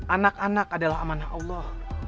anak anak adalah amanah allah